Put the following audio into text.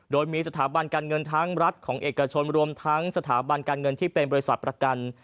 โดยมีสถาบันการเงินทั้งรัฐของเอกชนรวมทั้งสถาบันการเงินที่เป็นบริษัทประกัน